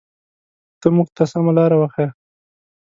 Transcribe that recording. ته مونږ ته سمه لاره وښایه.